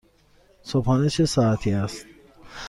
صبحانه چه ساعتی است؟